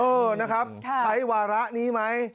เออนะครับใช้วาระนี้ไหม